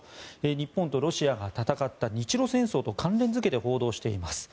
日本とロシアが戦った日露戦争と関連付けて報道しています。